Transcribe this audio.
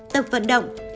tập vận động